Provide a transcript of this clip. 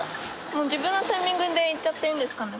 もう自分のタイミングで行っちゃっていいんですかね。